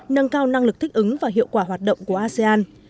nâng cao năng lực thích ứng và hiệu quả hoạt động của asean